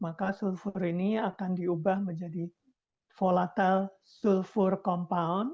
maka sulfur ini akan diubah menjadi volatil sulfur compound